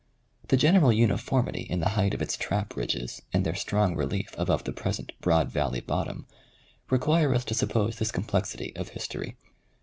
The general uniformity in the height of its trap ridges and their strong relief above the present broad valley bottom, require us to suppose this complex ity of history.